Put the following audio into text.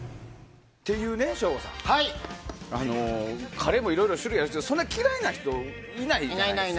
っていう省吾さんカレーもいろいろ種類あるけど嫌いな人いないじゃないですか。